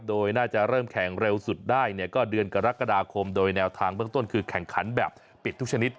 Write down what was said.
โดยน่าจะเริ่มแข่งเร็วสุดได้เนี่ยก็เดือนกรกฎาคมโดยแนวทางเบื้องต้นคือแข่งขันแบบปิดทุกชนิด